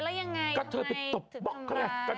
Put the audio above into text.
แล้วยังไงทำไมถึงทำร้าย